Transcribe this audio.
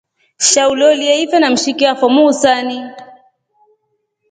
Sha ulolie ife na mshiki afo muhusani.